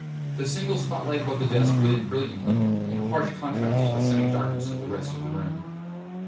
The single spotlight above the desk lit it brilliantly, in harsh contrast to the semidarkness of the rest of the room.